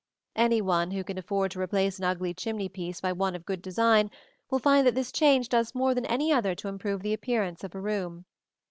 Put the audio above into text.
Any one who can afford to replace an ugly chimney piece by one of good design will find that this change does more than any other to improve the appearance of a room.